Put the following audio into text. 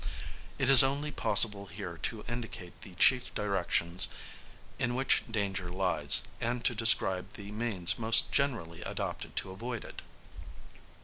It is only possible here to indicate the chief directions in which danger lies, and to describe the means most generally adopted to avoid it.